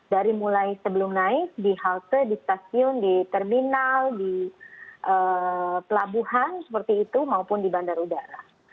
dari mulai sebelum naik di halte di stasiun di terminal di pelabuhan seperti itu maupun di bandar udara